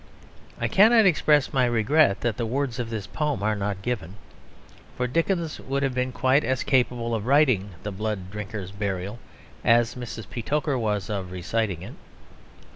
I cannot express my regret that the words of this poem are not given; for Dickens would have been quite as capable of writing "The Blood Drinker's Burial" as Miss Petowker was of reciting it.